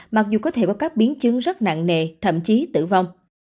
mặc dù có thể có các biến chứng rất nặng nề thậm chí tử vong